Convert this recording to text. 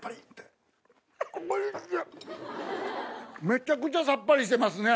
めちゃくちゃさっぱりしてますね！